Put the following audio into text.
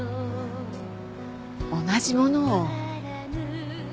同じものを。